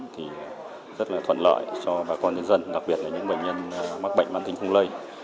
thì rất là thuận lợi cho bà con nhân dân đặc biệt là những bệnh nhân mắc bệnh mãn tính không lây